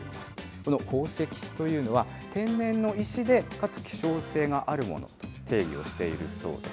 この宝石というのは、天然の石で、かつ希少性があるものと定義をしているそうです。